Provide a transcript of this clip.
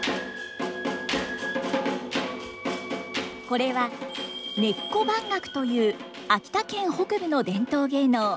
これは「根子番楽」という秋田県北部の伝統芸能。